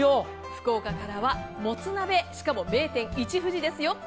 福岡からはもつ鍋、しかも名店一藤ですよ。